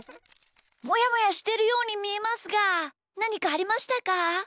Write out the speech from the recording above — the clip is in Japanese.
もやもやしてるようにみえますがなにかありましたか？